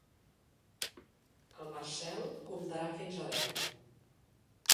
El Marcel comptarà fins a deu.